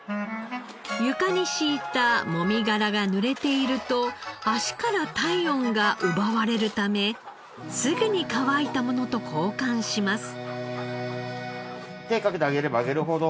床に敷いたもみ殻がぬれていると足から体温が奪われるためすぐに乾いたものと交換します。